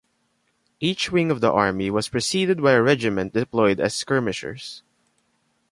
Each wing of the army was preceded by a regiment deployed as skirmishers.